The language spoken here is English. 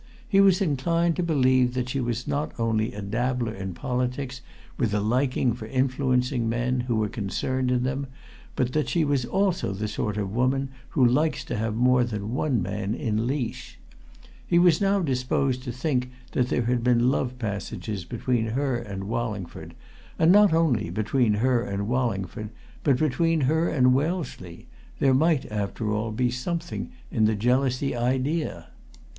He was inclined to believe that she was not only a dabbler in politics with a liking for influencing men who were concerned in them but that she was also the sort of woman who likes to have more than one man in leash. He was now disposed to think that there had been love passages between her and Wallingford, and not only between her and Wallingford but between her and Wellesley there might, after all, be something in the jealousy idea.